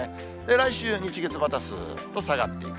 来週、日、月、またすーっと下がっていく。